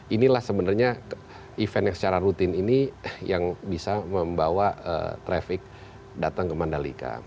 inilah sebenarnya event yang secara rutin ini yang bisa membawa traffic datang ke mandalika